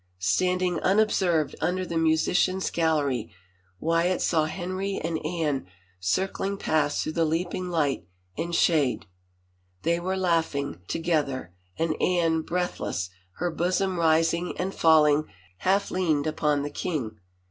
Standing unobserved imder the musicians' gal lery, Wyatt saw Henry and Anne circling past through the leaping light and shade ... they were laughing together and Anne, breathless, her bosom rising and fall ing, half leaned upon the king.